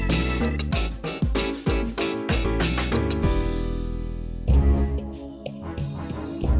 bukan makanan yang terlalu tersedia